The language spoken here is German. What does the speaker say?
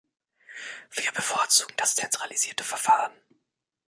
Wir bevorzugen das zentralisierte Verfahren.